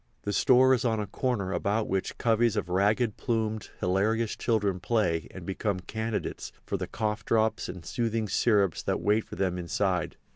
The store is on a corner about which coveys of ragged plumed, hilarious children play and become candidates for the cough drops and soothing syrups that wait for them inside.